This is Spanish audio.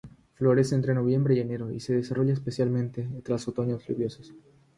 Florece entre noviembre y enero y se desarrolla especialmente tras otoños lluviosos.